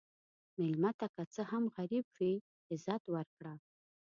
مېلمه ته که څه هم غریب وي، عزت ورکړه.